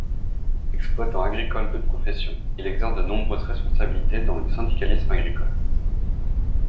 Exploitant agricole de profession, il exerce de nombreuses responsabilités dans le syndicalisme agricole.